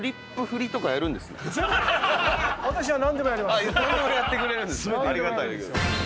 何でもやってくれるんですね。